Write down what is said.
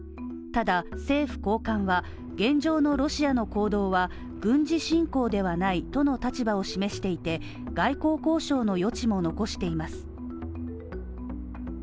ただ、政府高官は現状のロシアの行動は軍事侵攻ではないとの立場を示していて、外交交渉の余地も残しています。